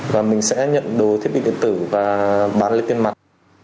và mình sẽ nhận đồ thiết bị điện tử và bán lấy tiền mặt